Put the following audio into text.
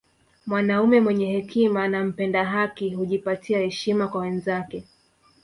Mwanaume mwenye hekima na mpenda haki hujipatia heshima kwa wenzake